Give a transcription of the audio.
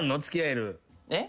えっ？